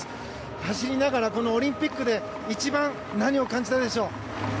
走りながら、このオリンピックで一番、何を感じたでしょう？